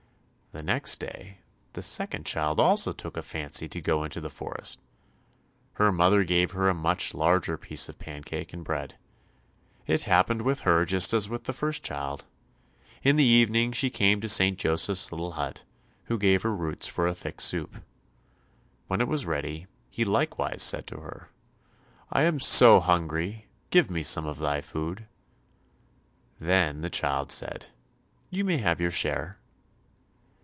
The next day, the second child also took a fancy to go into the forest. Her mother gave her a much larger piece of pancake and bread. It happened with her just as with the first child. In the evening she came to St. Joseph's little hut, who gave her roots for a thick soup. When it was ready, he likewise said to her, "I am so hungry, give me some of thy food." Then the child said, "You may have your share."